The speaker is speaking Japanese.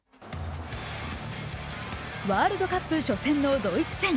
ワールドカップ初戦のドイツ戦。